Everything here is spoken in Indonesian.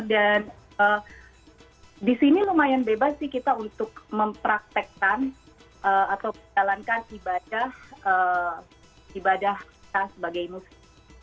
dan di sini lumayan bebas sih kita untuk mempraktekkan atau menjalankan ibadah kita sebagai muslim